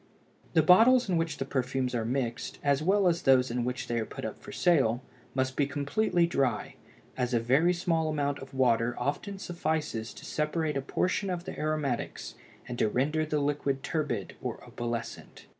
The bottles in which the perfumes are mixed, as well as those in which they are put up for sale, must be perfectly dry, as a very small amount of water often suffices to separate a portion of the aromatics and to render the liquid turbid or opalescent.